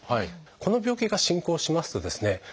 この病気が進行しますとですね